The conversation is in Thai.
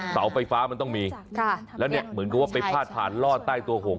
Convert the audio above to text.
เสาไฟฟ้ามันต้องมีค่ะแล้วเนี่ยเหมือนกับว่าไปพาดผ่านลอดใต้ตัวหง